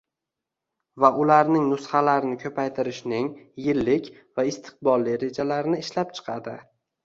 va ularning nusxalarini ko`paytirishning yillik va istiqbolli rejalarini ishlab chiqadi;